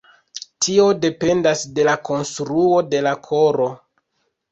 Tio dependas de la konstruo de la koro.